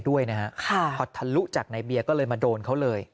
ด้วยนะฮะค่ะพอทะลุจากในเบียร์ก็เลยมาโดนเขาเลย